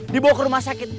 dibawa ke rumah sakit